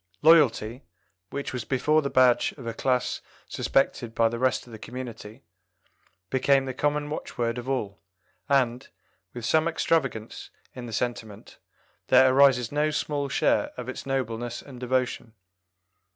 Loyalty, which was before the badge of a class suspected by the rest of the community, became the common watchword of all, and, with some extravagance in the sentiment, there arises no small share of its nobleness and devotion.